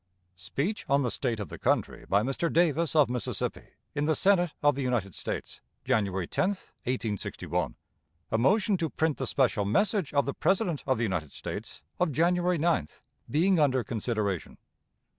Speech on the state of the country, by Mr. Davis, of Mississippi, in the Senate of the United States, January 10, 1861 a motion to print the special message of the President of the United States, of January 9th, being under consideration.